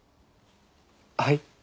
はい？